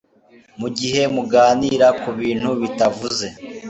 mugihe muganira kubintu bitavuze